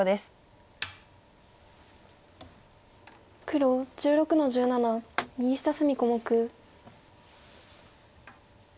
黒１６の十七右下隅小目。